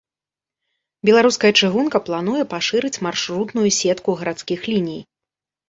Беларуская чыгунка плануе пашырыць маршрутную сетку гарадскіх ліній.